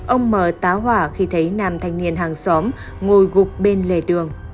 ông mờ táo hỏa khi thấy nam thanh niên hàng xóm ngồi gục bên lề đường